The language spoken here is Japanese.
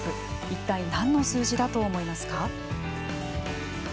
いったい何の数字だと思いますか。